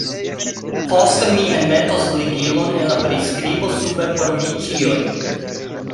Poste mi enmetos ligilon en la priskribo sube por vi ĉiuj.